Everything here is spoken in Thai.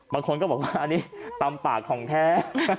บางคนก็บอกว่าอันนี้ตำปากของแท้